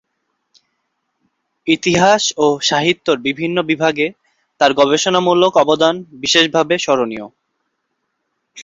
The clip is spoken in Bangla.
ইতিহাস ও সাহিত্যের বিভিন্ন বিভাগে তার গবেষণামূলক অবদান বিশেষভাবে স্মরণীয়।